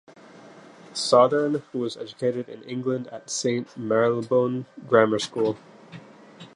Sothern was educated in England at Saint Marylebone Grammar School.